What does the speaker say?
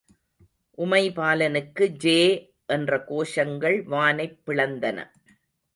″உமைபாலனுக்கு ஜே என்ற கோஷங்கள் வானைப் பிளந்தன.